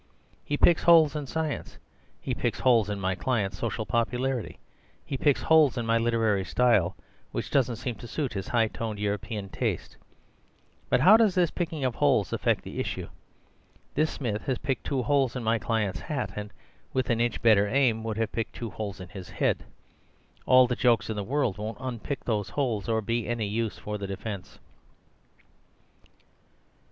He picks holes in science. He picks holes in my client's social popularity. He picks holes in my literary style, which doesn't seem to suit his high toned European taste. But how does this picking of holes affect the issue? This Smith has picked two holes in my client's hat, and with an inch better aim would have picked two holes in his head. All the jokes in the world won't unpick those holes or be any use for the defence."